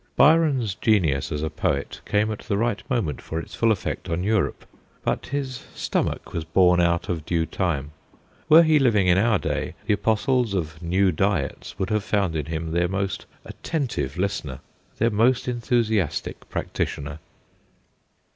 Byron's genius as a poet came at the right moment for its full effect on Europe, but his stomach was born out of due time. Were he living in our day, the apostles of new diets would have found in him their most attentive listener, their most enthusiastic practi tioner.